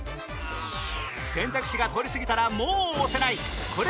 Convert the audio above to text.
選択肢が通り過ぎたらもう押せないコレ！